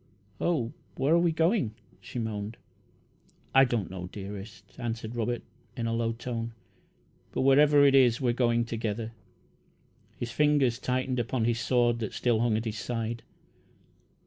"Oh, where are we going!" she moaned. "I don't know, dearest," answered Robert, in a low tone; "but wherever it is, we're going together." His fingers tightened upon his sword, that still hung at his side.